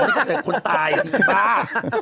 อันนี้ก็จะเป็นคนตายอีกบ้า